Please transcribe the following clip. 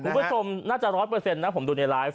คุณผู้ชมน่าจะร้อยเปอร์เซ็นต์นะผมดูในไลฟ์